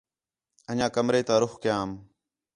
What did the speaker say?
اَن٘ڄیاں کمرے تا رُخ کیام